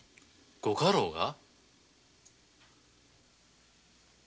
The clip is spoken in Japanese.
ご家老が？